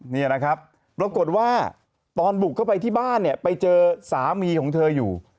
นี่นะครับปรากฏว่าตอนบุกเข้าไปที่บ้านเนี่ยไปเจอสามีของเธออยู่